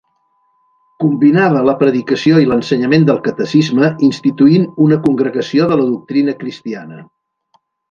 Combinava la predicació i l'ensenyament del catecisme, instituint una Congregació de la Doctrina Cristiana.